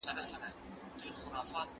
خطرونه د بریا لاره هواروي.